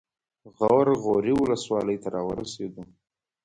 غور غوري ولسوالۍ ته راورسېدو.